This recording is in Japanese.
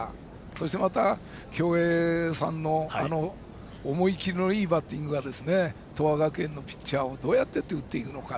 そしてまた、共栄さんの思い切りのいいバッティングが東亜学園のピッチャーをどうやって打っていくのか。